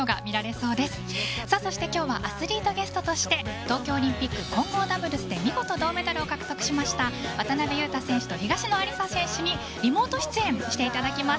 そして今日はアスリートゲストとして東京オリンピック混合ダブルスで見事、銅メダルを獲得しました渡辺勇大選手と東野有紗選手にリモート出演していただきます。